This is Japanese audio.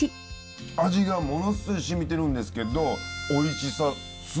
味がものすごいしみてるんですけどおいしさすごいですよねえ。